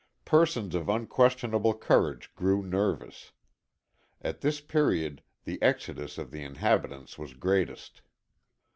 Persons of unquestionable courage grew nervous. At this period the exodus of the inhabitants was greatest.